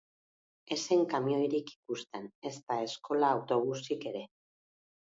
Ez zen kamioirik ikusten, ezta eskola autobusik ere.